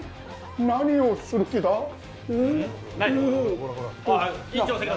何をする気だ？